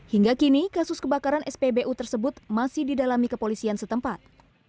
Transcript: hingga kini kasus kebakaran spbu tersebut masih didalami kepolisian setempat